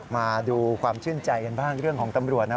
มาดูความชื่นใจกันบ้างเรื่องของตำรวจนะ